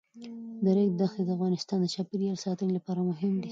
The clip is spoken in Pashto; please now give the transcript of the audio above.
د ریګ دښتې د افغانستان د چاپیریال ساتنې لپاره مهم دي.